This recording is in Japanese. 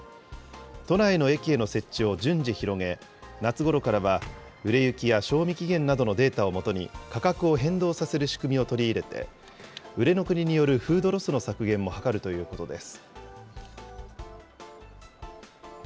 都内の駅への設置を順次広げ、夏ごろからは売れ行きや賞味期限などのデータを基に、価格を変動させる仕組みを取り入れて、売れ残りによるフードロスの削減も図るということです。